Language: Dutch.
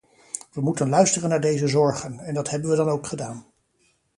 We moeten luisteren naar deze zorgen, en dat hebben we dan ook gedaan.